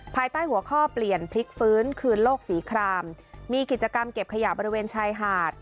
ภายใต้หัวข้อเปลี่ยนพลิกฟื้นคืนโลกสีครามมีกิจกรรมเก็บขยะบริเวณชายหาด